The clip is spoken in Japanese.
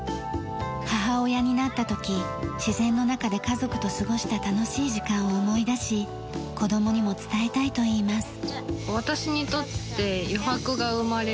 母親になった時自然の中で家族と過ごした楽しい時間を思い出し子どもにも伝えたいといいます。